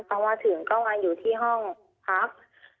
พอมาถึงก็มาอยู่ที่ห้องพัก